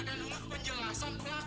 kita dengarkan dulu penjelasan kak